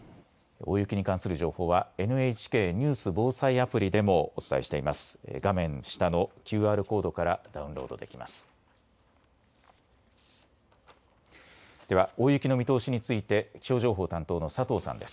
大雪に関する情報はＮＨＫニュース・防災アプリでもお伝えしています。